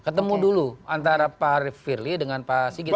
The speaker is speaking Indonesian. ketemu dulu antara pak arief firly dengan pak sigit